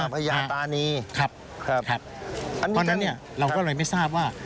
พระยาตานีครับครับเพราะฉะนั้นเนี่ยเราก็เลยไม่ทราบว่า